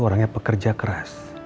orangnya pekerja keras